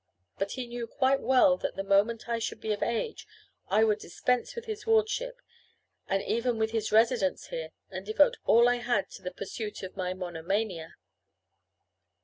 But he knew quite well that the moment I should be of age I would dispense with his wardship, and even with his residence there, and devote all I had to the pursuit of my "monomania."